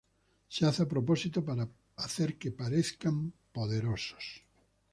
Se hace a propósito para hacer que parezcan poderosos.